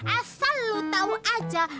asal lo tau aja